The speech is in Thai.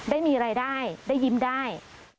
ได้มีรายได้ได้ยิ้มได้